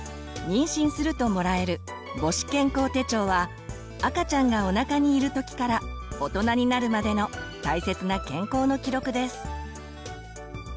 妊娠するともらえる母子健康手帳は赤ちゃんがおなかにいる時から大人になるまでの大切な健康の記録です。